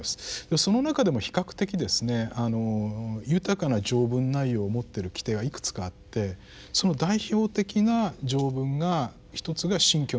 その中でも比較的ですね豊かな条文内容を持ってる規定がいくつかあってその代表的な条文がひとつが「信教の自由」